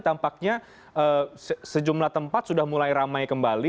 tampaknya sejumlah tempat sudah mulai ramai kembali